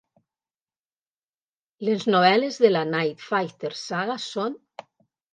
"Les novel·les de la Night Fighter Saga són:"